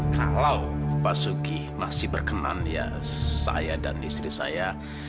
kalau pak sugi masih berkenan ya saya dan istri saya